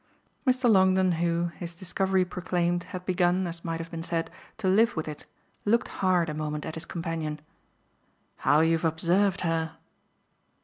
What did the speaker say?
Mr. Longdon, who, his discovery proclaimed, had begun, as might have been said, to live with it, looked hard a moment at his companion. "How you've observed her!"